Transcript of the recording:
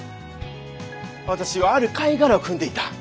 私はある貝殻を踏んでいた。